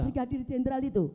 brigadir jenderal itu